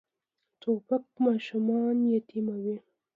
توپک ماشومان یتیموي.